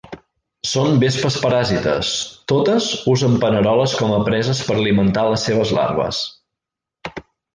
Són vespes paràsites, totes usen paneroles com a preses per alimentar a les seves larves.